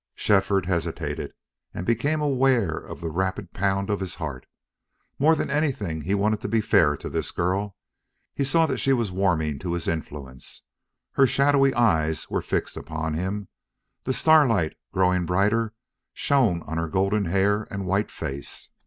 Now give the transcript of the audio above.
Shefford hesitated, and became aware of the rapid pound of his heart. More than anything he wanted to be fair to this girl. He saw that she was warming to his influence. Her shadowy eyes were fixed upon him. The starlight, growing brighter, shone on her golden hair and white face.